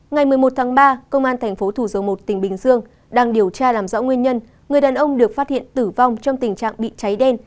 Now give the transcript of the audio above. ngày một mươi một tháng ba công an thành phố thủ dầu một tỉnh bình dương đang điều tra làm rõ nguyên nhân người đàn ông được phát hiện tử vong trong tình trạng bị cháy đen